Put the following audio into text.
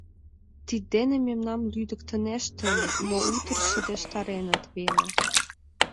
Тиддене мемнам лӱдыктынешт ыле, но утыр шыдештареныт веле...